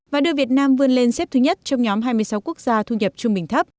và đưa việt nam vươn lên xếp thứ nhất trong nhóm hai mươi sáu quốc gia thu nhập trung bình thấp